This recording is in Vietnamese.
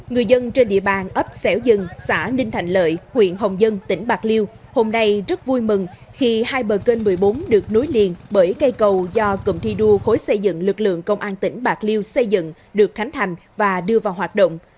người dân trên địa bàn ấp xẻo dân xã ninh thành lợi huyện hồng dân tỉnh bạc liêu hôm nay rất vui mừng khi hai bờ kênh một mươi bốn được nối liền bởi cây cầu do cụm thi đua khối xây dựng lực lượng công an tỉnh bạc liêu xây dựng được khánh thành và đưa vào hoạt động